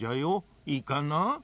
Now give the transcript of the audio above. いいかな？